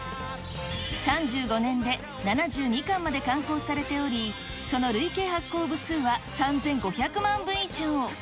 ３５年で７２巻まで刊行されており、その累計発行部数は３５００万部以上。